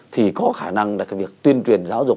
thì có khả năng là cái việc tuyên truyền giáo dục